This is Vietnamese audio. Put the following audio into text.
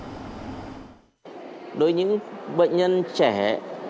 đối với những bệnh nhân trẻ